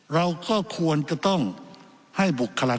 เราก็ควรจะต้องให้บุคลาค